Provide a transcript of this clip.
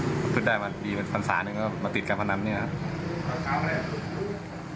ก็ประพฤติได้มาดีเป็นฝันศานะครับมาติดการพนันนี่ครับ